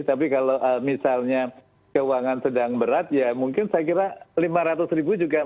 tapi kalau misalnya keuangan sedang berat ya mungkin saya kira lima ratus ribu juga